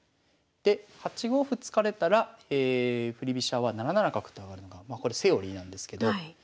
で８五歩突かれたら振り飛車は７七角と上がるのがまあこれセオリーなんですけど。